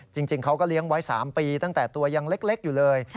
จริงเขาก็เลี้ยงไว้๓ปีตั้งแต่ตัวยังเล็กอยู่เลย